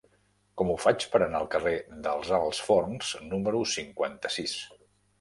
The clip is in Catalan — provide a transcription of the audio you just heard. Com ho faig per anar al carrer dels Alts Forns número cinquanta-sis?